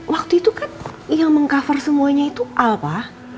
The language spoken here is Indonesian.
waktu itu kan yang meng cover semuanya itu apa